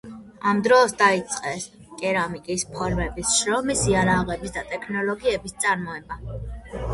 ამ დროს დაიწყეს კერამიკის ფორმების, შრომის იარაღების და ტექნოლოგიების წარმოება.